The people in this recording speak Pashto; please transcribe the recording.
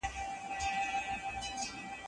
پښتو دې سر شوه زه دې خاورې ايرې کړمه